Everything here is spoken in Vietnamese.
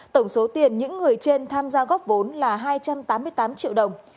tổng số tiền những người trên tham gia góp vốn là hai trăm tám mươi tám triệu đồng